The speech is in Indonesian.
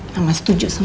mama setuju sama kamu